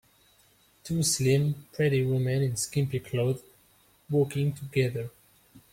Two slim, pretty women in skimpy clothes walking together.